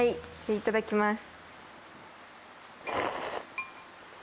いただきます。